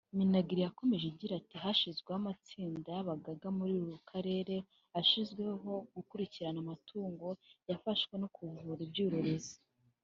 Minagri yakomeje igira iti “Hashyizweho amatsinda y’abaganga muri buri karere ashinzwe gukurikirana amatungo yafashwe no kuvura ibyuririzi